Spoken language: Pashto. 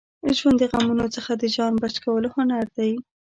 ژوند د غمونو څخه د ځان بچ کولو هنر دی.